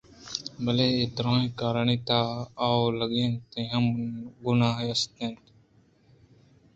بلئے اے دُرٛاہیں کارانی تہا اولگا تئی ہم گناہے است اِنت